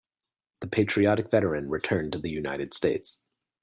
The patriotic veteran returned to the United States.